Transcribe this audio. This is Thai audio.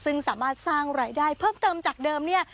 ซึ่งสามารถสร้างรายได้เพิ่มเติมจากเดิมเนี่ย